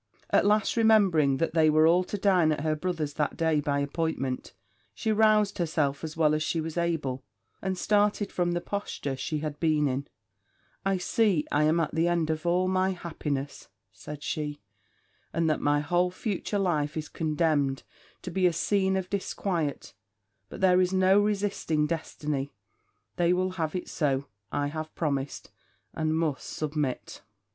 At last, remembering that they were all to dine at her brother's that day by appointment, she rouzed herself as well as she was able, and started from the posture she had been in; 'I see I am at the end of all my happiness,' said she, 'and that my whole future life is condemned to be a scene of disquiet; but there is no resisting destiny they will have it so; I have promised, and must submit.'